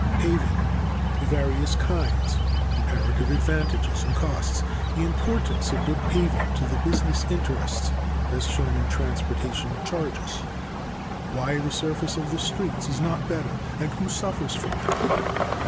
1. Paving. a. The various kinds, comparative advantages and costs. b. The importance of good paving to the business interests, as shown in transportation charges. c. Why the surface of the streets is not better, and who suffers from it.